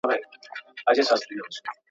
پلورونکي وويل په دې معامله کي هيڅ دوکه نسته.